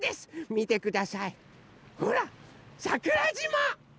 みてくださいほらっさくらじま！